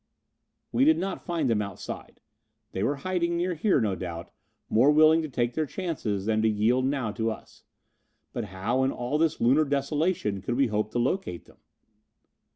We did not find them outside. They were hiding near here, no doubt, more willing to take their chances than to yield now to us. But how, in all this Lunar desolation, could we hope to locate them?